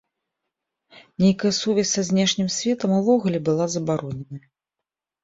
Нейкая сувязь са знешнім светам увогуле была забароненая.